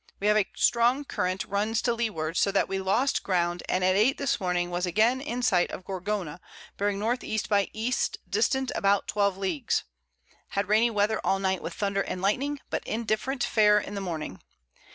We have a strong Current runs to Leward, so that we lost Ground, and at 8 this Morning was again in sight of Gorgona, bearing N. E. by E. distant about 12 Leagues; had rainy Weather all Night, with Thunder and Lightning, but indifferent fair in the Morning.